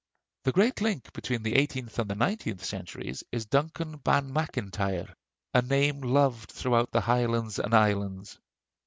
The great link between the eighteenth and the nineteenth centuries is Duncan Ban Macintyre, "a name loved throughout the Highlands and Islands."